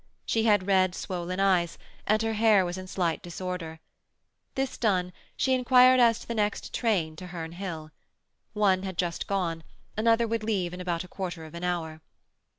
She had red, swollen eyes, and her hair was in slight disorder. This done, she inquired as to the next train for Herne Hill. One had just gone; another would leave in about a quarter of an hour.